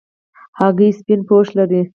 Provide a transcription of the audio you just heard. هګۍ سپینه پوښ لري.